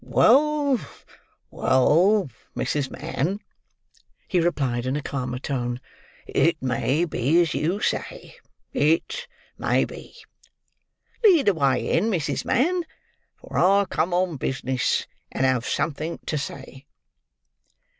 "Well, well, Mrs. Mann," he replied in a calmer tone; "it may be as you say; it may be. Lead the way in, Mrs. Mann, for I come on business, and have something to say."